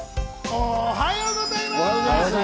おはようございます。